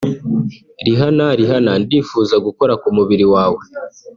Rihanna Rihanna ndifuza gukora ku mubiri wawe